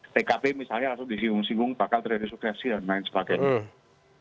tkp misalnya langsung disinggung singgung bakal terjadi suksesi dan lain sebagainya